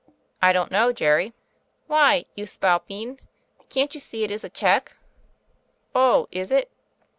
"I don't know, Jerry." "Why, you spalpeen, can't you see it is a check?" "Oh, is. it?"